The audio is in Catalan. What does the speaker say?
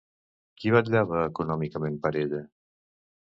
Qui vetllava econòmicament per ella?